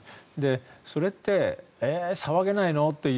それって、騒げないの？という